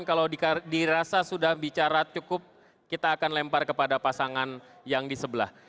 kalau dirasa sudah bicara cukup kita akan lempar kepada pasangan yang di sebelah